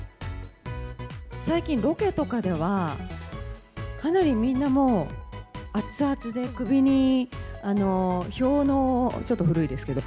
最近、ロケとかではかなりみんな、もう熱々で、首に氷のうを、ちょっと古いですけど、